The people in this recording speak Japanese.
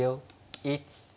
１。